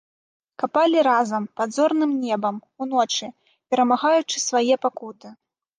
Капалі разам, пад зорным небам, уночы, перамагаючы свае пакуты.